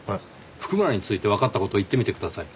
譜久村についてわかった事を言ってみてください。